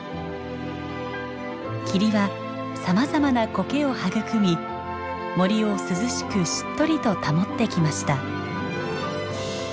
霧はさまざまなコケを育み森を涼しくしっとりと保ってきました。